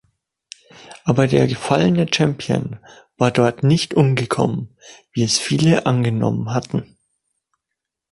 Aber der gefallene Champion war dort nicht umgekommen, wie es viele angenommen hatten.